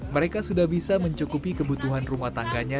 mereka sudah bisa mencukupi kebutuhan rumah tangganya